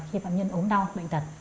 khi phạm nhân ốm đau bệnh tật